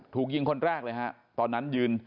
ถูกยิงคนแรกเลยฮะตอนนั้นยืน